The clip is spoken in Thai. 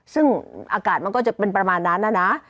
ซึ่งอากาศมันก็จะเป็นประมาณนั้นนะ